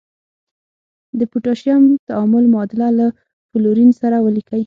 د پوتاشیم تعامل معادله له فلورین سره ولیکئ.